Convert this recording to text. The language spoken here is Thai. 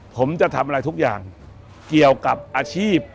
ผมจะทำอะไรทุกอย่างเกี่ยวกับอาชีพ